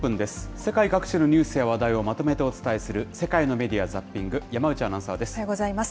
世界各地のニュースや話題をまとめてお伝えする世界のメディア・ザッピング、山内アナウンサーです。